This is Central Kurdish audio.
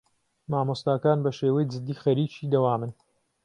مامۆستاکان بەشێوەی جدی خەریکی دەوامن.